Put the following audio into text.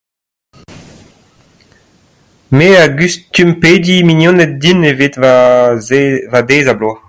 Me a gustum pediñ mignoned din evit va... va deiz-ha-bloaz.